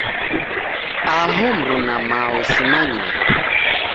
Aho mruma mao simanyire.